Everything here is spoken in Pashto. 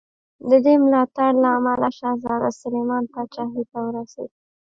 د دې ملاتړ له امله شهزاده سلیمان پاچاهي ته ورسېد.